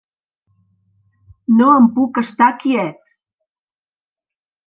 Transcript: No em puc estar quiet.